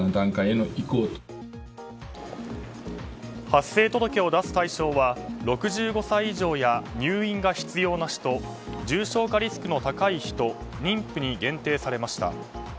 発生届を出す対象は６５歳以上や入院が必要な人重症化リスクの高い人妊婦に限定されました。